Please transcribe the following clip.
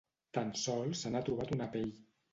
Tan sols se n'ha trobat una pell.